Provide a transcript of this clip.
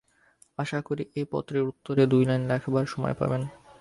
আশা করি এই পত্রের উত্তরে দু লাইন লেখবার সময় পাবেন।